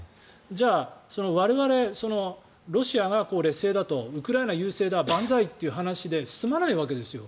じゃあ我々、ロシアが劣勢だとウクライナ優勢だ万歳という話で済まないわけですよ。